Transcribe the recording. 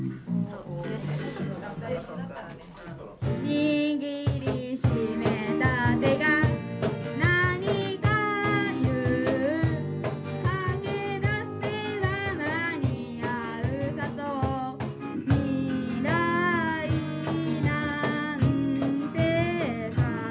「握りしめた手が何か言う」「駆けだせば間に合うさと」「未来なんてさ」